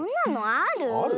ある？